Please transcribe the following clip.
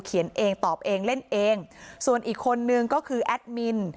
เขียนเองตอบเองเล่นเองส่วนอีกคนนึงก็คือแอดมิน